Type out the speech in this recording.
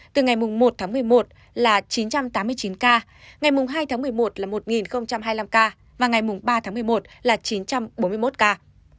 từ ngày một tháng một mươi một là chín trăm tám mươi chín ca ngày hai tháng một mươi một là một hai mươi năm ca và ngày ba tháng một mươi một là chín trăm bốn mươi một ca